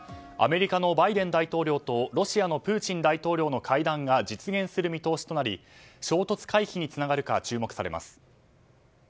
アメリカのバイデン大統領とロシアのプーチン大統領の会談が実現する見通しとなり衝突回避につながるか注目されます。